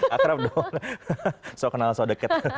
akrab dong so kenal so deket